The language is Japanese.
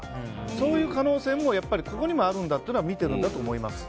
そういう可能性もここにはあるんだというのを見てるんだと思います。